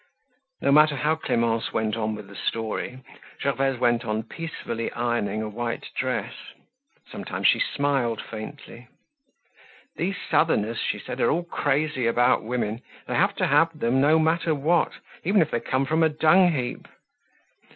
No matter how Clemence went on with the story Gervaise went on peacefully ironing a white dress. Sometimes she smiled faintly. These southerners, she said, are all crazy about women; they have to have them no matter what, even if they come from a dung heap.